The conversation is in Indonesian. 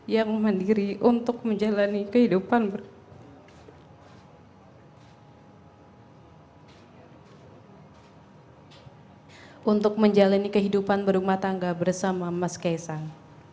yang memandiri untuk menjalani kehidupan berumah tangga bersama mas kei sang